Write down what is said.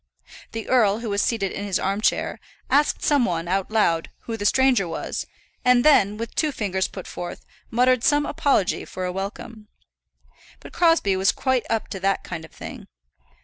The earl, who was seated in his arm chair, asked some one, out loud, who the stranger was, and then, with two fingers put forth, muttered some apology for a welcome. But Crosbie was quite up to that kind of thing.